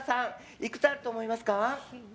いくつあると思いますか？